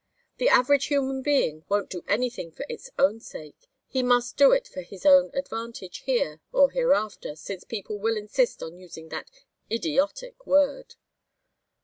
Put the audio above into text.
The average human being won't do anything for its own sake. He must do it for his own advantage here or hereafter, since people will insist on using that idiotic word."